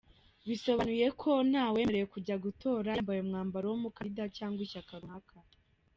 Bisobanuye ko ntawemerewe kujya gutora yambaye umwambaro w’umukandida cyangwa ishyaka runaka.